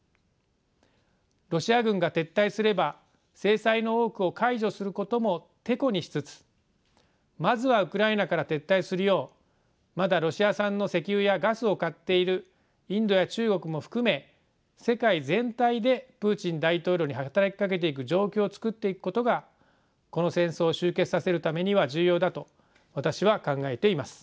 ロシア軍が撤退すれば制裁の多くを解除することもてこにしつつまずはウクライナから撤退するようまだロシア産の石油やガスを買っているインドや中国も含め世界全体でプーチン大統領に働きかけていく状況を作っていくことがこの戦争を終結させるためには重要だと私は考えています。